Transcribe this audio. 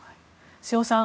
瀬尾さん